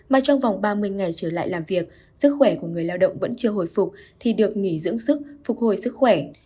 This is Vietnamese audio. mà trong vòng ba mươi ngày trở lại làm việc sức khỏe của người lao động vẫn chưa hồi phục thì được nghỉ dưỡng sức phục hồi sức khỏe